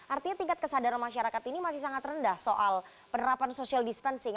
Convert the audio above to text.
artinya tingkat kesadaran masyarakat ini masih sangat rendah soal penerapan social distancing